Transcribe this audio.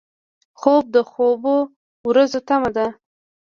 خوب د خوبو ورځو تمه ده